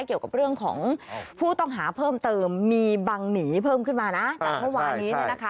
เกี่ยวกับเรื่องของผู้ต้องหาเพิ่มเติมมีบังหนีเพิ่มขึ้นมานะจากเมื่อวานี้